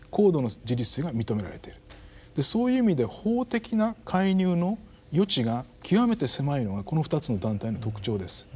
そういう意味で法的な介入の余地が極めて狭いのがこの２つの団体の特徴です。